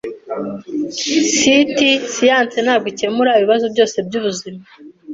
S] [T] Siyanse ntabwo ikemura ibibazo byose byubuzima.